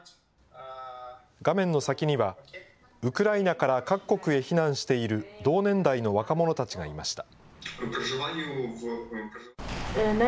画面の先には、ウクライナから各国へ避難している同年代の若者たちがいました。